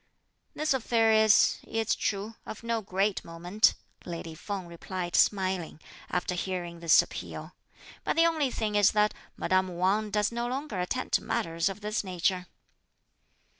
"This affair is, it's true, of no great moment," lady Feng replied smiling, after hearing this appeal; "but the only thing is that madame Wang does no longer attend to matters of this nature."